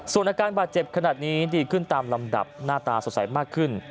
ส่วนอาการบาดเจ็บขนาดนี้ดีขึ้นตามลำดับหน้าตาสดใสมากขึ้น